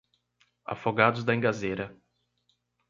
Afogados da Ingazeira